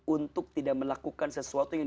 untuk tidak melakukan sesuatu yang